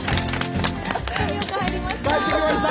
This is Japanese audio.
富岡入りました！